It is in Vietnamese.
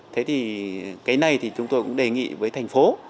thế thì cái này thì chúng tôi cũng đề nghị với thành phố